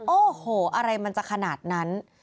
โอ้โหอะไรมันจะขนาดนั้น